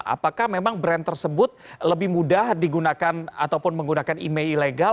apakah memang brand tersebut lebih mudah digunakan ataupun menggunakan email ilegal